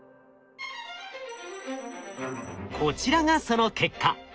こちらがその結果。